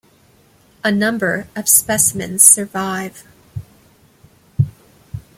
A number of specimens survive.